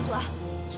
nih makan ya pa